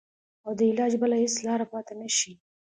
او د علاج بله هېڅ لاره پاته نه شي.